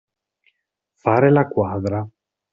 Fare la quadra.